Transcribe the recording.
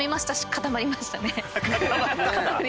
固まりました。